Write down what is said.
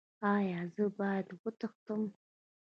ایا زه باید وتښتم؟